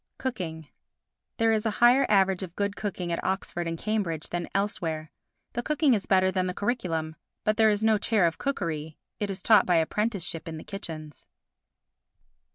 Cooking There is a higher average of good cooking at Oxford and Cambridge than elsewhere. The cooking is better than the curriculum. But there is no Chair of Cookery, it is taught by apprenticeship in the kitchens.